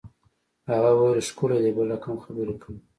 هغه ویل ښکلی دی بل رقم خبرې کوي